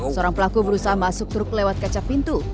seorang pelaku berusaha masuk truk lewat kaca pintu